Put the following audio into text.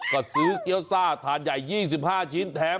กอดซื้อเกี๊ยวซ่าทานใหญ่๒๕ชิ้น